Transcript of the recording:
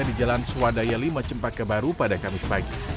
di jalan swadaya lima cempaka baru pada kamis pagi